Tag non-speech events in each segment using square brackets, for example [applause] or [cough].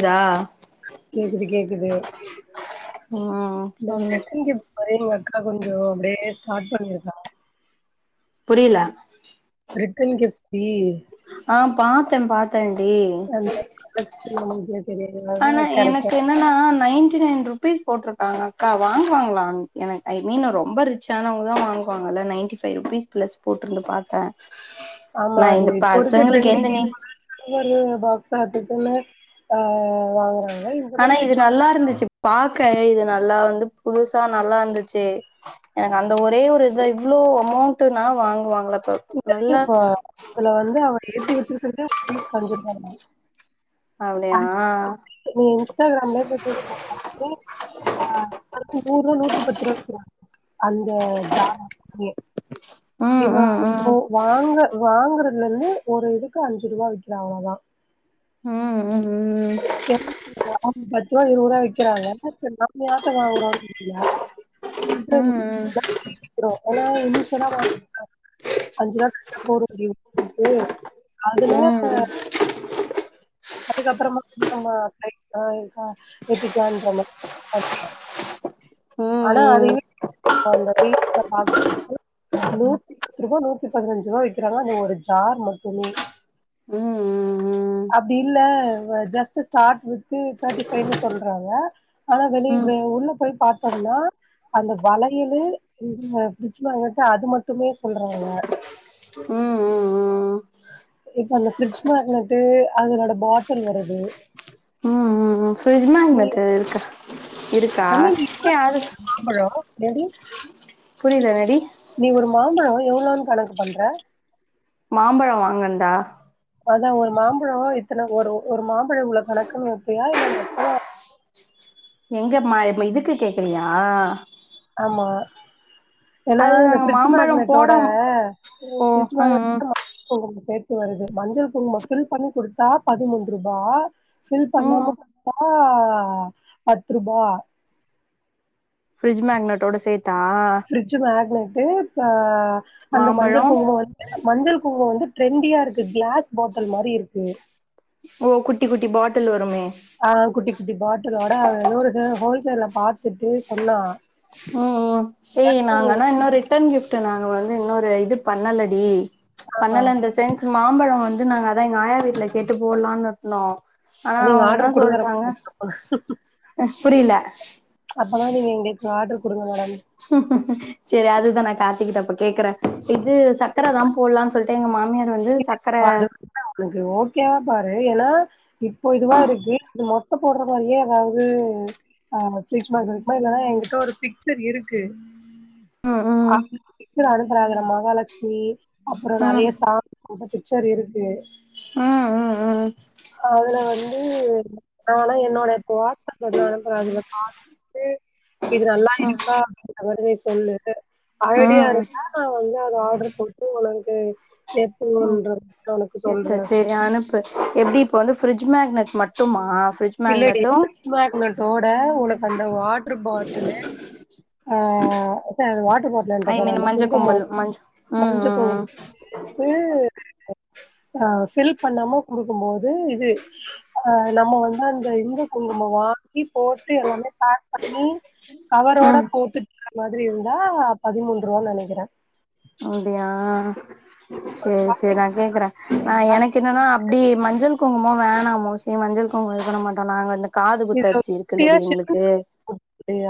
இரா கேக்குது கேக்குது உ இந்த அக்கா நீங்க ஒரே மாரிதா கொஞ்சோ அப்டியே ஸ்டார்ட் பண்ணிருக்கா புரில ரிட்டன் கிஃப்ட் தி ஆ பாத்தே பாத்தே டி கட்ச் மினிமம் திய ஆனா எனக்குனு நைன்டி நைன் ருபீஸ் போட்ருக்காங்க அக்கா வாங்குவாங்கள எனக்கு ஐ மீன் ரொம்ப ரி ச்சானவுங்க தா வாங்குவாங்கல்ல நைன்டி ஃபைவ்ரூபீஸ் ப்ளஸ் போட்ருந்து பாத்தே ஆமா நா அது இந்த இப்ப இருக்க பசங்களுக்கு எந்த ட்ரெண்டிங்கே நீ இப்ப தா கையோடு இதுனு பாக்ஸா அது இதுனு ஆ வாங்கறாங்க ஆனா இது நல்லா இருந்துச்சு பாக்க இது நல்லா வந்து புதுசா நல்லா இருந்துச்சு எனக்கு அந்த ஒரே ஒரு இத இவ்ளோ அமௌண்ட்ன்னா வாங்குவாங்களா இப்ப முதலிது நல்லா ஆ அதுல வந்து அவரு ஏத்தி வச்சிருக்கது பீஸ் கங்கு அஞ்சு ரூபா தான் அப்டியா நீ இன்ஸ்டாகிராம்ல போய் பாத்தே ஆ அது நூறு நூத்தி பத்து ரூவா விக்கிறா அந்த ஜாமானயே ம் ம் ம் வாங்க வாங்கறதுல இருந்து ஒரு இதுக்கு அஞ்சு ரூபா வக்கிற அவ்ளோ தா ம் ம் ம் எரநூத்தி [inaudible] பத்து ரூபா இருபது ரூபா விற்கிறாங்க நாம யார்ட வாங்குறோனு இருக்குல [inaudible] விக்கிறோ ஏனா இனிஷியல்லா வா ங்க அஞ்சு ரூவா கெடச்சா போதுனு இருக்குது அதுல அதுக்கப்பறமா ஆமா கரெக்ட்டு தா கா ஏத்திகிலா ன்ற மாரி ஆனா அதையு அந்த வீட்ல பாக்குறதுக்கு நூத்தி பத்து ரூபாய் நூத்தி பதினஞ்சு ரூபாய் வக்கிறாங்க அது ஒரு ஜார் மட்டுமே ஃப்ரிட்ஜ் அப்டி இல்ல ஜஸ் ஸ்டார்ட் வித்து தேர்ட்டி ஃபைவ்ன்னு சொல்றாங்க ஆனா வெளியவே உள்ள போய் பாத்தோம்னா அந்த வளையல இந்த ஃபிரிட்ஜ் மெக்னெட்டு அது மட்டுமே சொல்றாங்க ம் ம் ம் இப்ப அந்த ஃபிரிட்ஜ் மெக்னட்டு அதனோட பாட்டில் வருது ம் ஃப்ரிட்ஜ் மெக்னெட்டா இருக்கா இருக்கா நம்ம ஏ இதுக்குள்ள அது போட்ருக்கோ மாம்பழோ ஏன்டி புரில என்னடி நீ ஒரு மாம்பழோ எவ்ளோனு கணக்கு பண்ற மாம்பழம் வாங்கன்தா அதான் ஒரு மாம்பழம் இத்தனை அதான் ஒரு மாம்பழம் இத்தன ஒரு ஒரு மாம்பழம் இவளோ கணக்குன்னு வெப்பிங்களா இல்ல மொத்தமா எங்க மா இதுக்கு கேக்குறியா ஆமா ஏன்னா அது இந்த நாங்க ஃபரிட்ஜ் மாம்பழம் போட மேங்க்னெட்டோட ஓ ஃபரிட்ஜ் மேங்க் ம் ம் ம் கொஞ்சம் சேத்து வருது மஞ்சள் குங்குமம் ஃபில் பண்ணி குடுத்தா பதிமூன்னு ரூபா ஃபில் ம் பண்ணாம குடுத்தா பத்து ரூபா ஃப்ரிட்ஜ் மேங்க்னட்டோட சேத்தா ஃபிர்ஜ மேக்னட்டு ப அந்த மஞ்சள் மாம்பழம் குங்குமம் வந்து மஞ்சள் குங்குமம் வந்து ட்ரெண்டியா இருக்கு கிளாஸ் பாட்டல் மாறி இருக்கு ஓ குட்டி குட்டி பாட்டில் வருமே ஆ குட்டி குட்டி பாட்டலோட அவ ஏதோ ஒரு ஹோல்சேல்ல பாத்துட்டு சொன்னா ம் ம் ஏய் நாங்களா இன்னொரு ரிட்டன் கிப்ட் நாங்க வந்து இன்னொரு இது பண்ணலடி ஆ பண்ணல இன் தெ சென் மாம்பழம் வந்து நாங்க அதான் எங்க ஆயா வீட்டுல கேட்டு போடலாம்னு இருந்தோம் ஆ நீங்க அவங்க என்னா ஆர்டர் குடுங்க சொல்லிட்டாங்க புரியல அப்போதான் நீங்க எங்களுக்கு ஆர்டர் குடுங்க மேடம் ஹ சரி அதுதான் நான் கார்த்திகிட்டப்ப கேக்குறேன் இது சக்கர தான் போடலான்னு சொல்லிட்டு எங்க மாமியார் வந்து சக்கர உனக்கு ஓகேவா பாரு ஏன்னா இப்போ இதுவா இருக்கு இது மொ இப்ப போடுற மாதிரியே ஏதாவது ஆ [inaudible] மார்கெட் இல்லனா எங்கிட்ட ஒரு பிக்சர் இருக்கு ம் ம் [inaudible] அனுப்புறாங்க மகாலட்சுமி அப்புறம் ம் நிறைய சா அப்ப பிக்சர் இருக்கு ம் ம் ம் ம் அதுல வந்து நானா என்னோட இப்ப வாட்ஸ்அப் எல அனுப்புறேன் அதுல கால் இது நல்லா இருக்கா அப்படின்றமாறி நீ சொல்லு ஐடியா ம் இருந்தா நான் வந்து அத ஆர்டர் போட்டு உனக்கு ம் எப்டிங்கன்றது எத்த சரி அனுப்பு எப்படி இப்ப வந்து ஃபிரிட்ஜ் மேக்னட் மட்டுமா ஃபரிட் இல்லடி ஃபிரிட்ஜ் மேக்னட்டோட உனக்கு அந்த வாட்டரு பாட்டிலு ஆ சார் வா போடலன்ற ஐ பாரு மீன் அந்த மஞ்ச கும்பல் குங்குமம் மஞ்ச ம் மஞ்ச ம் குங்குமம் ம் ம் ஆ ஃபில் பண்ணாம குடுக்கும் போது இது ஆ நம்ம வந்து அந்த இந்த குங்குமம் வாங்கி போட்டு எல்லாமே பேக் பண்ணி கவரோட ம் போட்டுக்கரா மாதிரி இருந்தா பதிமூணு ரூவான்னு நினைக்கிறேன் அப்படியா சேரி சேரி நா கேக்குறேன் நா எனக்கு என்னன்னா அப்படி மஞ்சள் குங்குமோ வேணா மோஸ்ட்லி மஞ்சள் குங்கும் இது பண்ண மாட்டோம் நாங்க வந்து காது இதுல குத்தரிசி குட்டியா இருக்குல்லடி ஷிப்பிங் எங்களுக்கு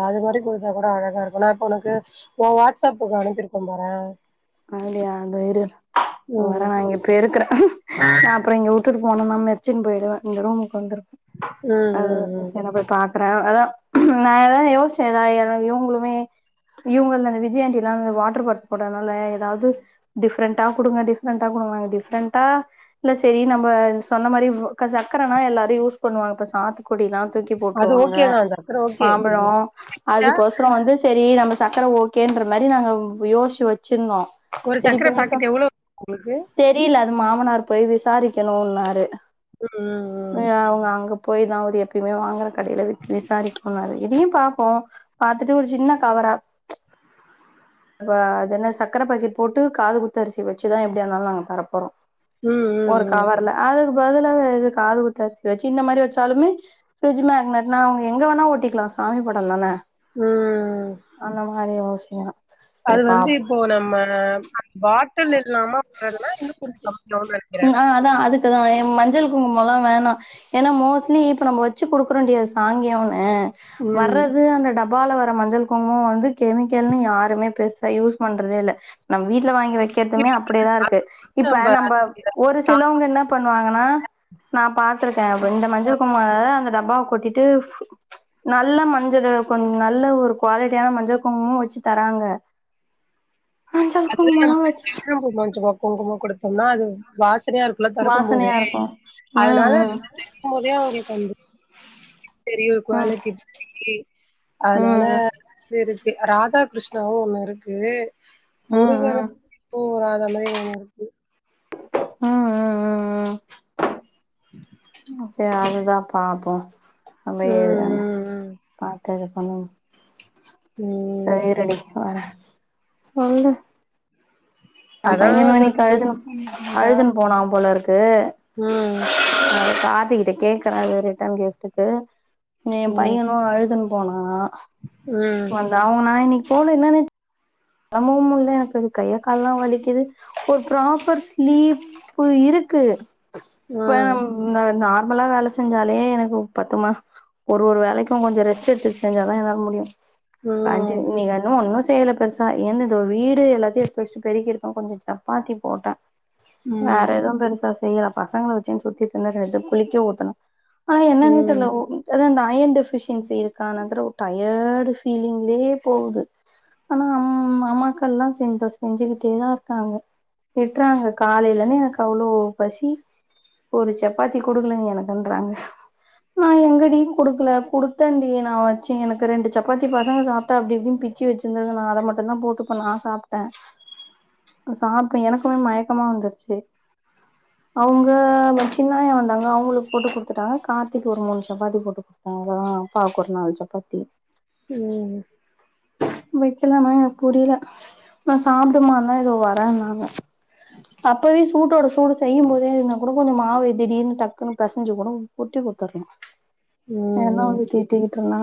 அது மாதிரி குடுத்தா கூட அழகா இருக்கும் நா இப்ப உனக்கு உ வாடஸ்அப்புக்கு அனுப்பிருக்கேன் பாறேன் அப்படியா தோ இரு ம் [unintelligible] பெருக்குறேன் அப்புறம் நா இங்க உட்டுட்டு போன நா மெரிச்சின்னு போயிடுவேன் இந்த ரூமுக்கு வந்திரும் ம் ம் அதுதா ம் சரி நா போய் பாக் அதான் நான் அதான் யோசிச்சேன் நா ஏதா இவங்களுமே இவங்கல அந்த விஜயாண்டி எல்லாம் அந்த அந்த வாட்டர் பாட்டல் போட்டதுனால அதாவது டிஃப்ரெண்டா குடுங்க டிஃப்ரெண்ட்டா குடுங்கான்னாங்க டிஃப்ரெண்ட்டா இல்ல சரி நம்ம சொன்ன மாரி சக்கரனா எல்லாரும் யூஸ் பண்ணுவாங்க இப்ப சாத்து குடில்லா தூக்கி அது போட்டுருவாங்க ஓகே தா சக்கர ஓகே மாம்பழம் இல்ல அதுக்கோசம் அப்ரோ வந்து சரி நம்ம சக்கர ஓகேன்ற மாரி நாங்க யோசிச்சு வச்சிருந்தோ ஒரு சர்க்கர பாக்கெட் எவ்ளோ உங்களுக்கு தெரியல அது மாமனார் போய் விசாரிக்கணும்ன்னாரு ம் அவுங்க அங்க போய் தா அவர் எப்பயுமே வாங்குற கடையில வி விசாரிக்க சொன்ணாரு இதையும் பாப்போம் பாத்துட்டு ஒரு சின்ன கவரா அப்ப அது என்ன சக்கர பாக்கெட் போட்டு காது குத்து அரிசி வச்சுதா எப்படியாருந்தாலும் நாங்க தரப்போறோம் ம் ஒரு ம் ம் கவர்ல அதுக்கு பதிலாக இது காது குத்தரிசி வச்சு இந்த மாரி வச்சாலுமே ஃப்ரி்ட்ஜ் மேக்னட்னா அவுங்க எங்க வேணா ஒட்டிக்கலா சாமி படம்தானே ம் ம் அந்த மாரி அவசியம் அது வந்து இப்போ நம்ம பாட்டல் இல்லாம வர்றதுனா இன்னும் கொஞ்சோ கம்மி ஆகுனு நெனைக்கிறேன் நா அதுக்குதான் என் மஞ்சள் குங்குமல்லா வேணாம் ஏன்னா மோஸ்ட்லி இப்ப நம்ம வச்சு குடுக்குரோன்டி அது சாங்கியம் அ ம் வர்றது அந்த டப்பால வர மஞ்சள் குங்குமம் வந்து கெமிக்கல்னு யாரு மே பெருசா யூஸ் பண்றதே இல்ல நம்ம வீட்ல வாங்கி வைக்க வைக்கதுமே அப்படியேதா இருக்கு இதுக்கு இப்ப நம்ம ஒரு சிலவங்க என்ன பண்ணுவாங்கன்னா நான் பாத்திருக்கேன் அப்ப இந்த மஞ்சள் கும்குமம் அந்த டப்பாவ கொட்டிட்டு நல்ல மஞ்சள் கொஞ்ச நல்ல ஒரு குவாலிட்டியான மஞ்சள் குங்குமம் வச்சு தராங்க மஞ்சள் குங்குமல்லா வச்சு அதுல கொஞ்சமா குங்குமம் குடுத்தோம்னா அது வாசனையா இருக்கு திறக்கும் போதே வாசனையா இருக்கு ம் அதனால ம் த போதே அவங்களுக்கு அந்த சரியா ம் குவாலிட்டி ம் அதனால ம் வ இருக்கு ராத கிருஷ்ணாவும் ஒண்ணு இருக்கு ம் ம் [unintelligible] அத மாதிரி ஒண்ணு இருக்கு ம் ம் ம் ம் ம் சரி அதுதா பாப்போம் அ ம் ம் பாத்தது பண்ண ம் தைரணி வர சொல்லு ந அதா பையன் சொல் மணிக்கு ம் அழுதுனு அழுதுனு போனா போல இருக்கு ம் அ [unintelligible] கிட்ட கேக்குறேன் ரிட்டன் கூப்ட்டுட்டு என் ம் பையனும் அழுது போனா ம் நான் இன்னைக்கு போல என்னன்னு சமூகம்ல எனக்கு அது கைக்கால்லாம் வலிக்குது ஒரு ப்ராப்பர் ஸ்லீப் இப்ப இருக்கு ப ம் நார்மலா வேல செஞ்சாலே எனக்கு பத்துமா ஒரு ஒரு வேலைக்கும் கொஞ்சோ ரெஸ்ட் எடுத்து செஞ்சா தான் என்னால முடியும் ம் நீ இன்னும் ஒன்னும் செயல பெருசா என்னதோ வீடு எல்லாத்தையும் ஃப்ர்ஸ்ட் பெருக்கிட்டு தா கொஞ்சோ சப்பாத்தி போட்டன் வேற ம் எதுவும் பெருசா செய்யல பசங்கள வச்சுன்னு சுத்தி தின்னத்து குளிக்க ஊத்தணும் அது என்னன்னே தெர்ல ம் [unintelligible] அதா அந்த அயன் டெஃபிஷியன்சி இருக்கா என்னன் தெர்ல ஒரு டயடு ஃபீலிங்லே போகுது ஆனா மக்கள்லா சேந்து செஞ்சுக்கிட்டே தா இருக்காங்க ட்றாங்க காலைலர்ந்து எனக்கு அவ்ளோ பசி ஒரு சப்பாத்தி குடுக்கலங்க எனக்குன்றாங்க நா எங்கடி குடுக்கல குடுத்தன்டி நா வச்சே எனக்கு ரெண்டு சப்பாத்தி பசங்க சாப்ட்டா அப்டி இப்டின் பி ச்சி வெச்சிருந்தது நா அத மட்டு தா போட்டு இப்ப நா சாப்ட்டே நா சாப்ட்டே எனக்குமே மயக்கமா வந்துர்ச்சு அவுங்க எ சின்னாயா வந்தாங்ளா அவுங்ளுக் போட்டு குடுத்துட்டே கார்த்திக்கு ஒரு மூணு சப்பாத்தி போட்டு குடி த்தாங்களா அப்பாவ்க்கு ஒரு நாலு சப்பாத்தி ம் என்னனே எனக் புரியில நீ சாப்டுமான்ன இதுக வரேன்னாங்க அப்பவே சூட்டோட சூடு செய்யும் போதே இதுனா கூட கொஞ்ச மாவு திடீர்னு டக்குனு பெசஞ்சு கூட உருட்டி குடுத்தர்ணு ம் என்ன தா ம் வந்து திட்டிக்கிட்ருந்தா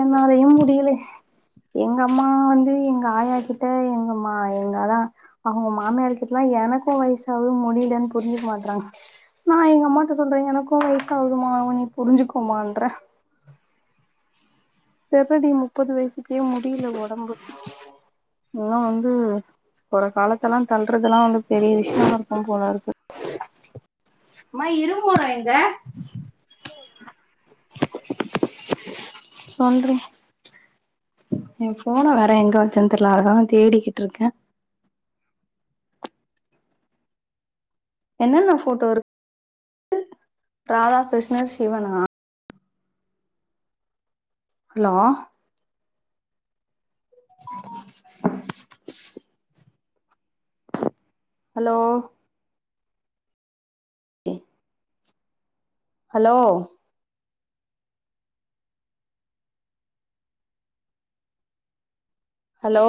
என்னாலயு முடியில எங்க அம்மா வந்து எங்க ஆயா கிட்ட எங்கம்மா என்னதா அவுங்க மாமியார்கிட்டலா எனக்கு வயசாவ்து முடியிலன் புரிஞ்சுக்க மாட்றாங்க நா எங்கம்மாட்ட சொல்றே எனக்கு வய்சாகுதுமா நீ புரிஞ்சிக்கோமான்ற தேட்டிடி முப்பது வய்சுக்கே முடியில ஒடம்பு இன்னு வந்து கொற காலத்தெல்லா தள்றதுல்லா வந்து பெரிய விஷ்யமா இருக்கு போலருக்கு அம்மா இருரும்பறங்க சொல்றி இவ ஃபோன வேற எங்க வெச்சன் தெர்ல அத தா நா தேடிக்கிட்ருக்கே என்னன்ன ஃபோட்டோ இருக்கு ராதாகிருஷ்ணர், சிவனா ஹலோ ஹலோ இ ஹலோ ஹலோ